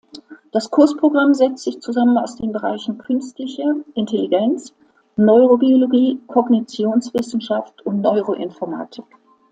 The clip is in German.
Das Kursprogramm setzt sich zusammen aus den Bereichen Künstliche Intelligenz, Neurobiologie, Kognitionswissenschaft und Neuroinformatik.